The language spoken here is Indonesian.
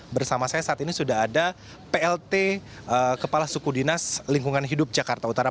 bersama saya saat ini sudah ada plt kepala suku dinas lingkungan hidup jakarta utara